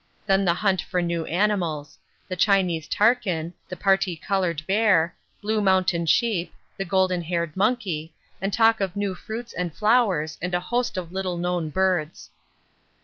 Then the hunt for new animals; the Chinese Tarkin, the parti coloured bear, blue mountain sheep, the golden haired monkey, and talk of new fruits and flowers and a host of little known birds.